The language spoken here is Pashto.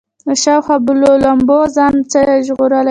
له شاوخوا بلو لمبو ځان نه شي ژغورلی.